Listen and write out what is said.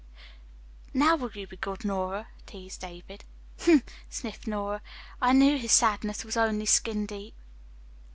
"Now will you be good, Nora?" teased David. "Humph!" sniffed Nora. "I knew his sadness was only skin deep."